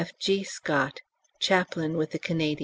F.G. SCOTT, Chaplain with the Canadians.